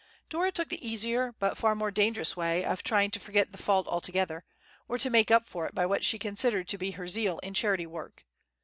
Dora took the easier, but far more dangerous way, of trying to forget the fault altogether, or to make up for it by what she considered to be her zeal in charity work.